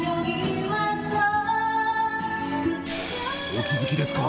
お気づきですか？